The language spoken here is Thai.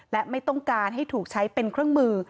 และไม่ต้องการให้ถูกใช้เป็นเครื่องมือ